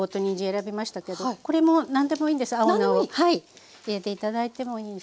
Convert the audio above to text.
青菜を入れて頂いてもいいし。